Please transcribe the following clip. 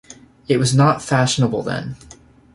It was not fashionable then.